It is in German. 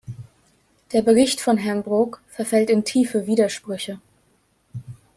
Der Bericht von Herrn Brok verfällt in tiefe Widersprüche.